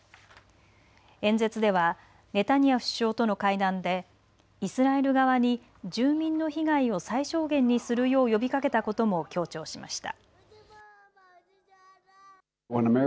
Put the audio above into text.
演説ではネタニヤフ首相との会談でイスラエル側に住民の被害を最小限にするようを呼びかけたことも強調しました。